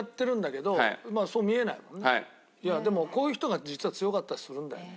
いやでもこういう人が実は強かったりするんだよね。